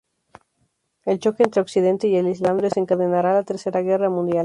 El choque entre Occidente y El Islam desencadenará la Tercera Guerra Mundial.